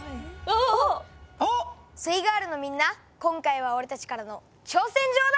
イガールのみんな今回は俺たちからの挑戦状だ！